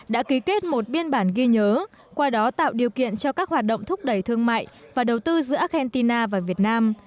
đã ký kết một biên bản ghi nhớ qua đó tạo điều kiện cho các hoạt động thúc đẩy thương mại và đầu tư giữa argentina và việt nam